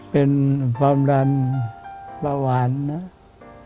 เป็นความดันประหวานนะ